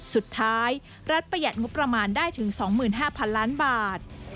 สุดท้ายรัฐประหยัดงบประมาณได้ถึง๒๕๐๐๐ล้านบาท